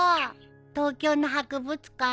東京の博物館。